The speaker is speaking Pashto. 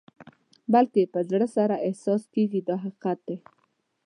بلکې په زړه سره احساس کېږي دا حقیقت دی.